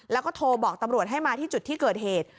แล้วก็โทรบอกตำรวจให้มาที่จุดที่เกิดเหตุ